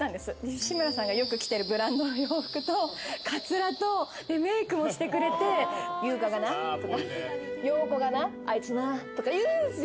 志村さんがよく着てるブランドの洋服と、かつらとメイクもしてくれて優香がなとか、ようこがなとかあいつなとか言うんですよ。